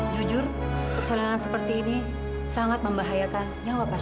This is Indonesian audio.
jujur persalinan seperti ini sangat membahayakan nyawa pasien